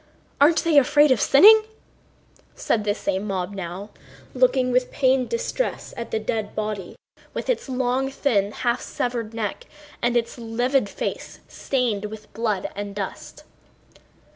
Aren't they afraid of sinning?..." said the same mob now, looking with pained distress at the dead body with its long, thin, half severed neck and its livid face stained with blood and dust.